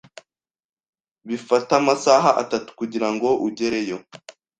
Bifata amasaha atatu kugirango ugereyo.